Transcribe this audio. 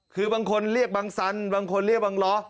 คือบางคนเรียกบังสันบางคนเรียกบังล้อ